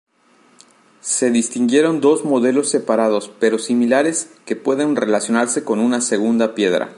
Se distinguieron dos modelos separados pero similares que pueden relacionarse con una segunda piedra.